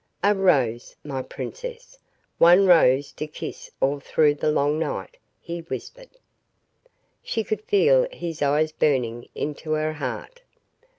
"A rose, my princess, one rose to kiss all through the long night," he whispered. She could feel his eyes burning into her heart.